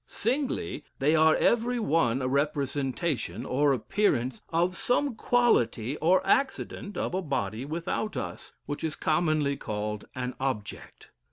Singly, they are every one a representation, or appearance, of some quality or accident of a body without us, which is commonly called an object.